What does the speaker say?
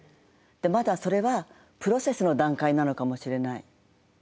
まだそれはプロセスの段階なのかもしれない。